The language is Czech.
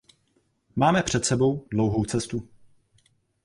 Máme před sebou dlouhou cestu.